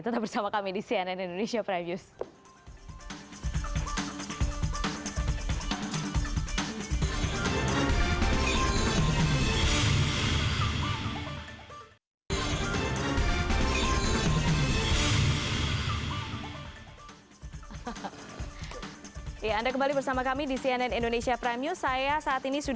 tetap bersama kami di cnn indonesia prime news